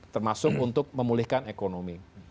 termasuk untuk memulihkan ekonomi